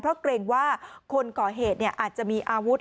เพราะเกรงว่าคนก่อเหตุอาจจะมีอาวุธ